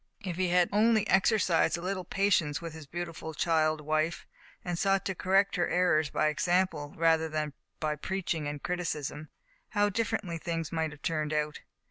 If he had only exercised a little patience with his beautiful child wife, and sought to correct her errors by example, rather than by preaching and criticism, how differently things might have turned out.